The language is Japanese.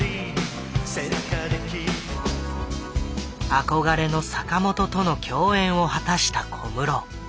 憧れの坂本との共演を果たした小室。